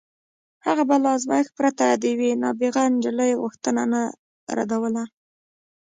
هغه به له ازمایښت پرته د یوې نابغه نجلۍ غوښتنه نه ردوله